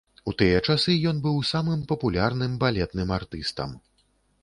У тыя часы ён быў самым папулярным балетным артыстам.